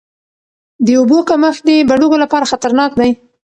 د اوبو کمښت د بډوګو لپاره خطرناک دی.